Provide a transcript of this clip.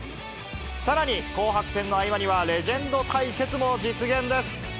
さらに、紅白戦の合間にはレジェンド対決も実現です。